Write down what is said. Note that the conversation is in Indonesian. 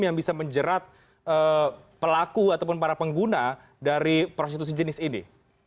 yang bisa menjerat pelaku ataupun para pengguna dari prostitusi jenis ini